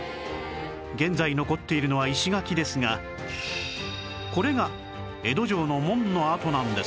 現在残っているのは石垣ですがこれが江戸城の門の跡なんです